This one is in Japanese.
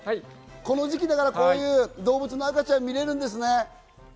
この時期だから、こういう動物の赤ちゃんを見れるんですね。